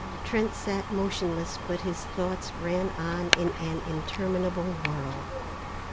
Trent sat motionless, but his thoughts ran on in an interminable whirl.